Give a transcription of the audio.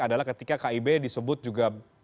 adalah ketika kib disebut juga